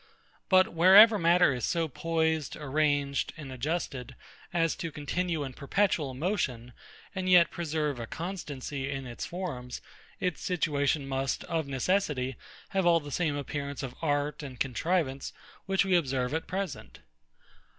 But wherever matter is so poised, arranged, and adjusted, as to continue in perpetual motion, and yet preserve a constancy in the forms, its situation must, of necessity, have all the same appearance of art and contrivance which we observe at present.